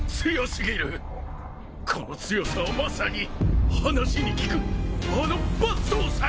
この強さはまさに話に聞くあの抜刀斎！